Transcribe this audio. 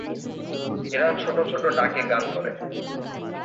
এরা ছোট ছোট ডাকে গান করে।